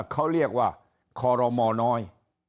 เขาเรียกว่าคอรมอน้อย